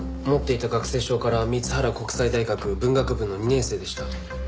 持っていた学生証から三津原国際大学文学部の２年生でした。